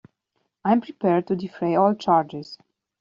I am prepared to defray all charges.